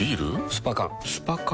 スパ缶スパ缶？